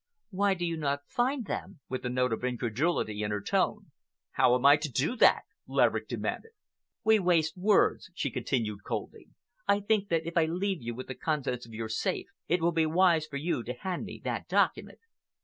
"Why do you not find him?"—with a note of incredulity in her tone. "How am I to do that?" Laverick demanded. "We waste words," she continued coldly. "I think that if I leave you with the contents of your safe, it will be wise for you to hand me that document."